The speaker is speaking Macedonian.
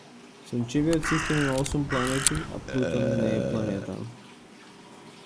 Сончевиот систем има осум планети, а Плутон не е планета.